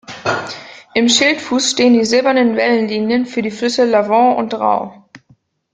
Im Schildfuß stehen die silbernen Wellenlinien für die Flüsse Lavant und Drau.